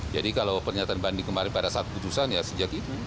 jadi kalau pernyataan banding kemarin pada saat putusan ya sejak itu